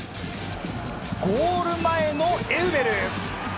ゴール前のエウベル。